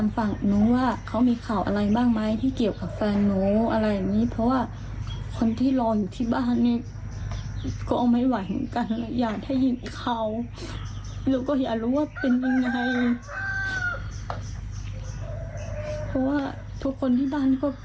ผมก็เป็นหวังกันนะคะ